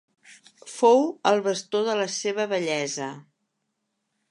Fou el bastó de la seva vellesa.